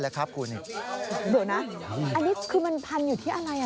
อันนี้คือมันพันอยู่ที่อะไร